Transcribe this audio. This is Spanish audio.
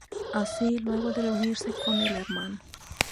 Así, luego de reunirse con el Hno.